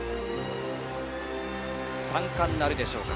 ３冠なるでしょうか。